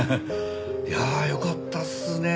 いやあよかったですね